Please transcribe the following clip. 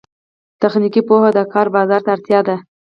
تخنیکي پوهه د کار بازار ته اړتیا ده